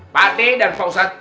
pak d dan pak ustadz